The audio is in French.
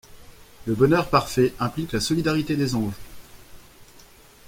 Le bonheur parfait implique la solidarité des anges.